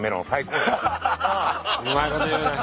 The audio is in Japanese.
うまいこと言うね。